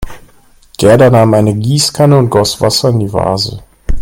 Gerda nahm eine Gießkanne und goss Wasser in die Vase.